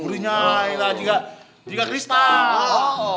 berliannya ini lah jika kristal